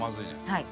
はい。